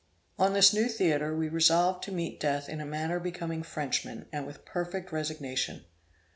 On this new theatre we resolved to meet death in a manner becoming Frenchmen, and with perfect resignation.